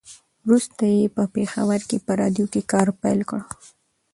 وروسته یې په پېښور کې په راډيو کې کار پیل کړ.